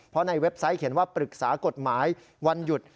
เพราะในเว็บไซต์เขียนว่าปรึกษากฎหมายวันหยุด